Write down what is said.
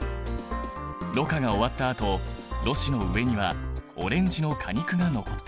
ろ過が終わったあとろ紙の上にはオレンジの果肉が残った。